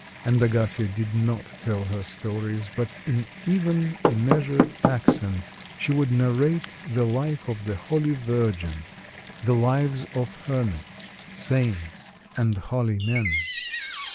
And Agafya did not tell her stories; but in even measured accents she would narrate the life of the Holy Virgin, the lives of hermits, saints, and holy men.